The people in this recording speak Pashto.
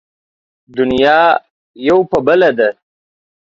دنيا يو په بله ده.